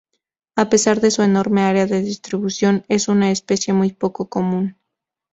A pesar de su enorme área de distribución es una especie muy poco común.